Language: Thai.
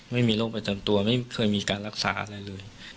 ไม่มีโรคประจำตัวไม่เคยมีการรักษาอะไรเลย